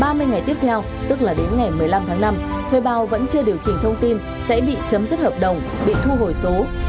trong ba mươi ngày tiếp theo tức là đến ngày một mươi năm tháng năm thuê bao vẫn chưa điều chỉnh thông tin sẽ bị chấm dứt hợp đồng bị thu hồi số